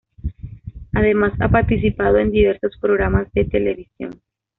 Además ha participado en diversos programas de televisión.